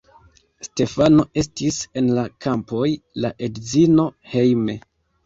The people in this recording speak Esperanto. Stefano estis en la kampoj, la edzino hejme.